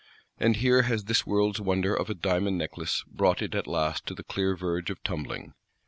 And here has this world's wonder of a Diamond Necklace brought it at last to the clear verge of tumbling.